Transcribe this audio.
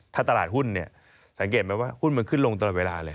ถ้าตลาดหุ้นเนี่ยสังเกตไหมว่าหุ้นมันขึ้นลงตลอดเวลาเลย